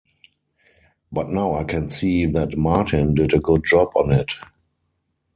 But now I can see that Martin did a good job on it ...